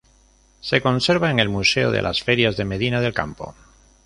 Se conserva en el Museo de las Ferias de Medina del Campo.